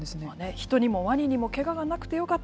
人にもワニにもけががなくてよかった。